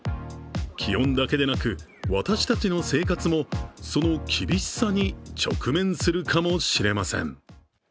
気温だけでなく、私たちの生活もその厳しさに直面するかもしれません。